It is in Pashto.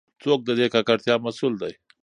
څوک د دې ککړتیا مسؤل دی؟